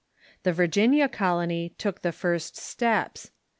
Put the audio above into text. The Virginia colony took the first steps.